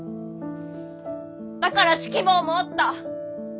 だから指揮棒も折った！